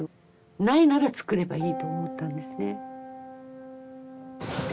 ないならつくればいいと思ったんですね。